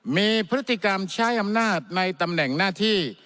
มีพฤติกรรมใช้อำนาจในตำแหน่งหน้าที่